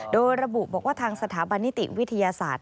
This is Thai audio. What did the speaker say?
โดยระบุบอกว่าทางสถาบันนิติวิทยาศาสตร์